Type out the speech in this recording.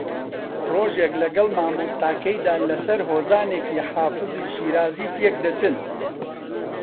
ڕۆژێک لەگەڵ مامۆستاکەیدا لەسەر ھۆزانێکی حافزی شیرازی تێکدەچن